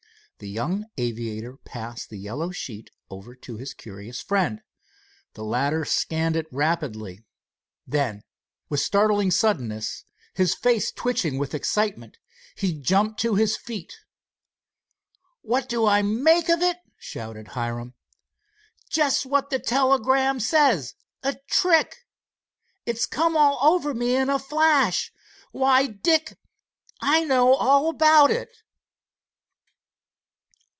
The young aviator passed the yellow sheet over to his curious friend. The latter scanned it rapidly. Then, with startling suddenness, his face twitching with excitement, he jumped to his feet. "What do I make of it?" shouted Hiram. "Just what the telegram says a trick! It's come all over me in a flash. Why, Dick, I know all about it."